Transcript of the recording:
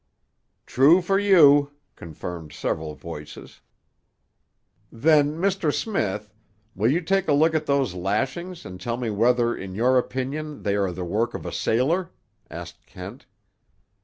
"True for you," confirmed several voices. "Then, Mr. Smith, will you take a look at those lashings and tell me whether in your opinion they are the work of a sailor?" asked Kent.